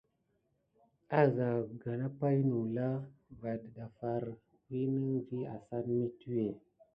Asa kuka pay nulà va tedafar winaga vi asane mituwé.